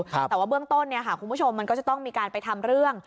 แต่ว่าเบื้องต้นเนี่ยค่ะคุณผู้ชมมันก็จะต้องมีการไปทำเรื่อง